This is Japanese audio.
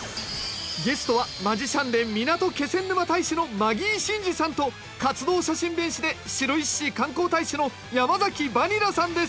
ゲストはマジシャンでみなと気仙沼大使のマギー審司さんと活動写真弁士で白石市観光大使の山崎バニラさんです